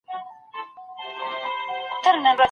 د معلم سمیع ښځې په ښار کې یو کورس جوړ کړ.